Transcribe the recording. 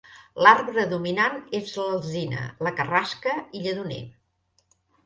L'arbre dominant és l'alzina, la carrasca i lledoner.